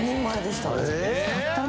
たったの？